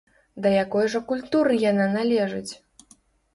Да якой жа культуры яна належыць?